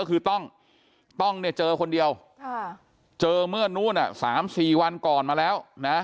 ก็คือต้องเนี่ยเจอคนเดียวเจอเมื่อนู้น๓๔วันก่อนมาแล้วนะ